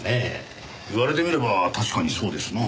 言われてみれば確かにそうですな。